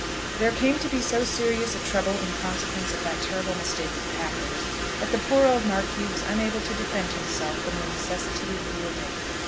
There came to be so serious a trouble in consequence of that terrible mistake of Packer's, that the poor old Marquis was unable to defend himself from the necessity of yielding.